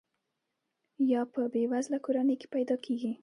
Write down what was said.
یا په بې وزله کورنۍ کې پیدا کیږي.